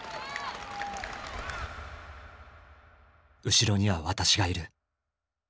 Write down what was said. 「後ろにはわたしがいる。